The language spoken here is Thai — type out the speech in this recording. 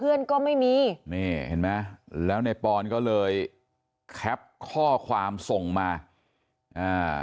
เพื่อนก็ไม่มีนี่เห็นไหมแล้วในปอนก็เลยแคปข้อความส่งมาอ่า